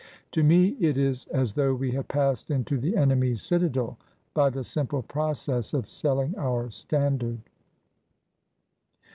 " To me it is as though we had passed into the enemy's citadel by the simple process of selling our standard